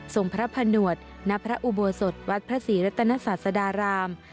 พระผนวดณพระอุโบสถวัดพระศรีรัตนศาสดาราม